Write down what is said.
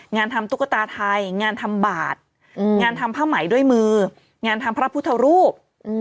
งานทำตุ๊กตาไทยงานทำบาทงานทำผ้าไหมด้วยมืองานทำพระพุทธรูป